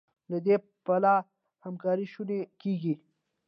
له دې پله همکاري شونې کېږي.